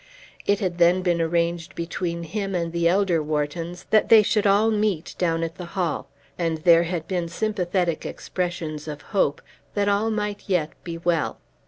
It had then been arranged between him and the elder Whartons that they should all meet down at the Hall, and there had been sympathetic expressions of hope that all might yet be well.